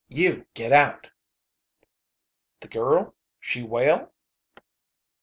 You get out!" "The girl. She well?"